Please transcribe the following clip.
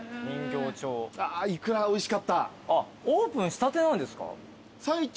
あいくらおいしかった。